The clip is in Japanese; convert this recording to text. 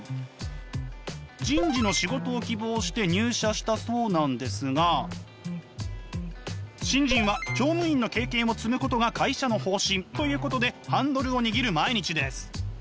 人事の仕事を希望して入社したそうなんですが新人は乗務員の経験を積むことが会社の方針ということでハンドルを握る毎日です。